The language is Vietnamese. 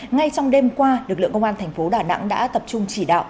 ngay trong đêm qua lực lượng công an thành phố đà nẵng đã tập trung chỉ đạo